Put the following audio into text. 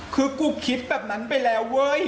คือกูคิดแบบนั้นไปแล้วเว้ย